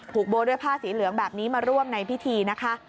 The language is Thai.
โบด้วยผ้าสีเหลืองแบบนี้มาร่วมในพิธีนะคะ